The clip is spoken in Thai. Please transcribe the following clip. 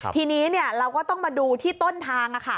ทีนี้เราก็ต้องมาดูที่ต้นทาง